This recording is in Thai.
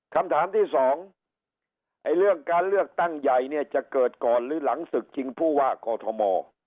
คำถามที่สองเรื่องการเลือกตั้งใหญ่เนี่ยจะเกิดก่อนหรือหลังศึกชิงผู้ว่ากอทม